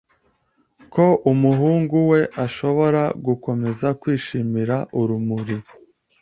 Ko umuhungu we ashobora gukomeza kwishimira urumuri